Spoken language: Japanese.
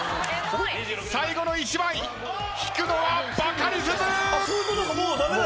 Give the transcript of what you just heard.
最後の１枚引くのはバカリズム！